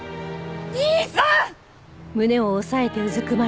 兄さん！